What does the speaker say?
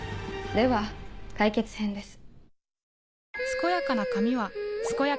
では解決編です。